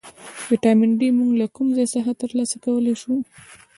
ویټامین ډي موږ له کوم ځای څخه ترلاسه کولی شو